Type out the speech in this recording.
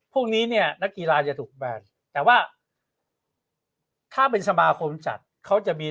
พวกนี้เนี่ยนักกีฬาจะถูกแบนแต่ว่าถ้าเป็นสมาคมจัดเขาจะมี